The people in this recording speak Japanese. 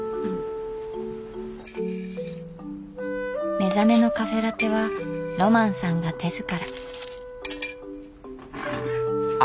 目覚めのカフェラテはロマンさんが手ずから。